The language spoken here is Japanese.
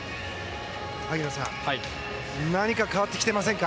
萩野さん、何か変わってきていませんか？